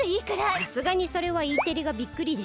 さすがにそれはＥテレがびっくりでしょ。